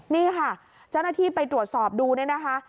นี่ค่ะเจ้าหน้าที่ไปตรวจสอบดูเนี่ยนะคะ